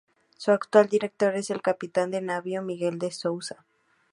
Su actual director es el Capitán de Navío Miguel De Souza.